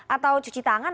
atau cuci tangan